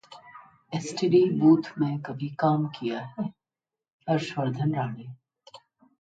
STD booth में भी काम किया है: हर्षवर्धन राणे